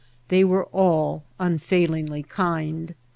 They were all unfailingly kind.